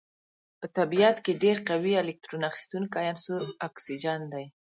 په طبیعت کې ډیر قوي الکترون اخیستونکی عنصر اکسیجن دی.